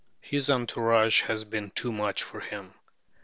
His entourage has been too much for him.